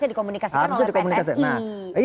itu harusnya dikomunikasikan oleh pssi